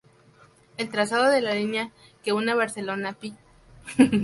El trazado de la línea, que une Barcelona-Pl.